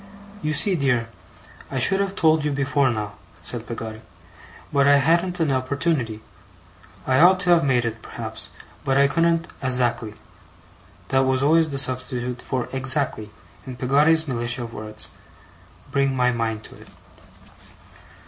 'You see, dear, I should have told you before now,' said Peggotty, 'but I hadn't an opportunity. I ought to have made it, perhaps, but I couldn't azackly' that was always the substitute for exactly, in Peggotty's militia of words 'bring my mind to it.